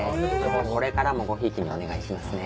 これからもごひいきにお願いしますね。